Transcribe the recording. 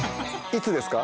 いつですか？